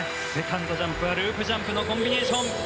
セカンドジャンプはループジャンプのコンビネーション。